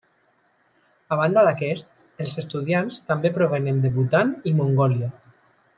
A banda d'aquests, els estudiants també provenen de Bhutan i Mongòlia.